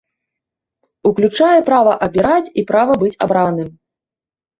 Уключае права абіраць і права быць абраным.